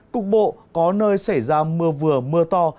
cục bộ có nơi xảy ra mưa vừa mưa to